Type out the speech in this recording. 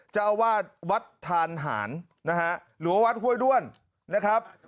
เจ้าอาวาสวัดทานหารนะฮะหรือว่าวัดห้วยด้วนนะครับ